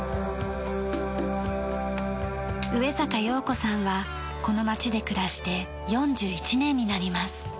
上坂洋子さんはこの町で暮らして４１年になります。